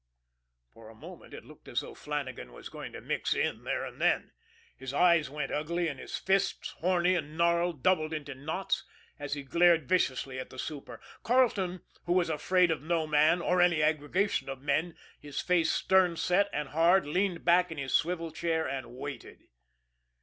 For a moment it looked as though Flannagan was going to mix it there and then. His eyes went ugly, and his fists, horny and gnarled, doubled into knots, as he glared viciously at the super. Carleton, who was afraid of no man, or any aggregation of men, his face stern set and hard, leaned back in his swivel chair and waited.